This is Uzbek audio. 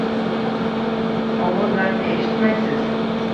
Ovozlarini eshitmaysiz